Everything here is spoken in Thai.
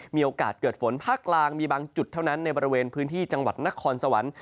มีโอกาสเกิดฝนภาคกลางมีบางจุดเท่านั้นในบริเวณพื้นที่จังหวัดนครสวรรค์